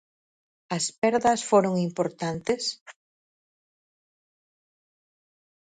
As perdas foron importantes?